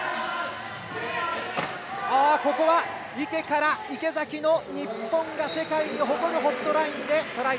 ここは池から池崎の、日本が世界に誇るホットラインでトライ。